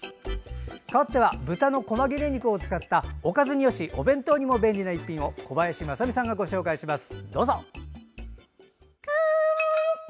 かわって豚のこま切れ肉を使ったおかずによしお弁当にも便利な一品を小林まさみさんがご紹介します。